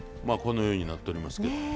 まあこのようになっとりますけど。